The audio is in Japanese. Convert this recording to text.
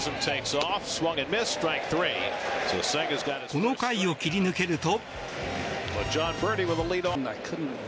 この回を切り抜けると。